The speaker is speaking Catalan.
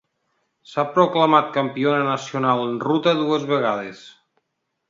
S'ha proclamat campiona nacional en ruta dues vegades.